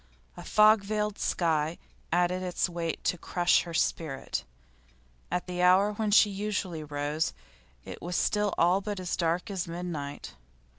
A fog veiled sky added its weight to crush her spirit; at the hour when she usually rose it was still all but as dark as midnight.